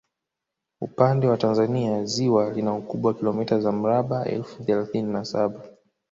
Upande wa Tanzania ziwa lina ukubwa wa kilomita za mraba elfu thelathini na saba